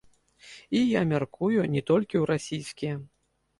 І, я мяркую, не толькі ў расійскія.